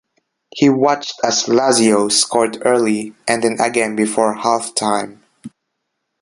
He watched as Lazio scored early and then again before half-time.